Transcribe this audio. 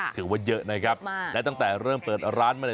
ถือว่าเยอะนะครับและตั้งแต่เริ่มเปิดร้านมาเลย